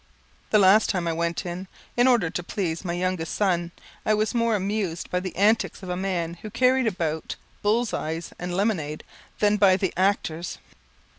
The last time I went, in order to please my youngest son, I was more amused by the antics of a man who carried about bull's eyes and lemonade, than by any of the actors.